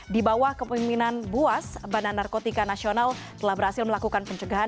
di bawah kepemimpinan buas badan narkotika nasional telah berhasil melakukan pencegahan